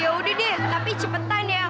yaudah deh tapi cepetan ya